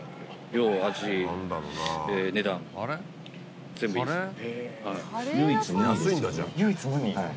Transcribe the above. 量味値段全部いいですね。